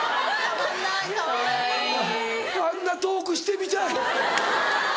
あんなトークしてみたい。